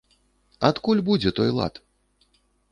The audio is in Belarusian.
Адкуль будзе той лад?